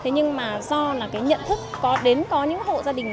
nhưng do nhận thức có đến những hộ gia đình